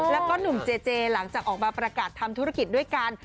แล้วก็หนุ่มเจเจหลังจากออกมาประกาศทำธุรกิจด้วยกัน